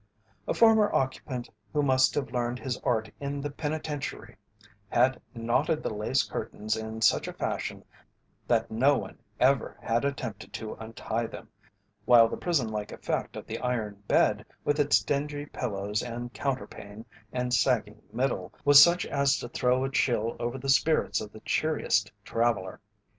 A former occupant who must have learned his art in the penitentiary had knotted the lace curtains in such a fashion that no one ever had attempted to untie them, while the prison like effect of the iron bed, with its dingy pillows and counterpane and sagging middle, was such as to throw a chill over the spirits of the cheeriest traveller.